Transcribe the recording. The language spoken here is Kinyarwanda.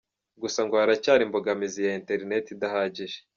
Gusa ngo haracyari imbogamizi ya interineti idahagije.